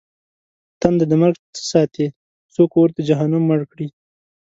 تنده د مرگ څه ساتې؟! څوک اور د جهنم مړ کړي؟!